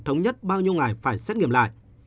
thống nhất bao nhiêu ngày phải xét nghiệm lại